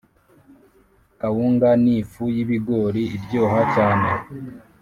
Kawunga ni fu yibigori iryoha cyane